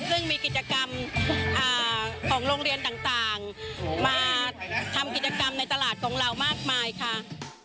ซึ่งมีกิจกรรมของโรงเรียนต่างมาทำกิจกรรมในตลาดของเรามากมายค่ะ